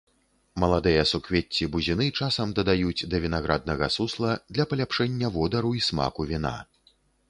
Маладыя суквецці бузіны часам дадаюць да вінаграднага сусла для паляпшэння водару і смаку віна.